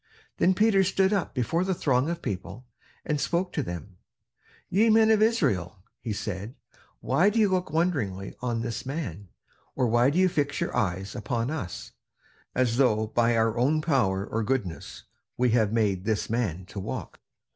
Then Peter stood up before the throng of people, and spoke to them: "Ye men of Israel," he said, "why do you look wondering on this man? or why do you fix your eyes upon us, as though by our own power or goodness we had made this man to walk?